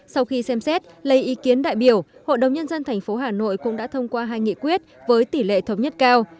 sau khi xem xét lấy ý kiến đại biểu hội đồng nhân dân tp hà nội cũng đã thông qua hai nghị quyết với tỷ lệ thống nhất cao